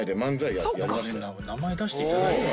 名前出していただいた。